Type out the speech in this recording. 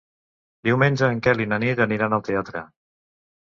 Diumenge en Quel i na Nit aniran al teatre.